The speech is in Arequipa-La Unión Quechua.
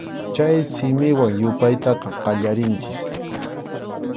Chay simiwan yupaytaqa qallarinchik.